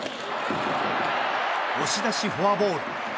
押し出しフォアボール。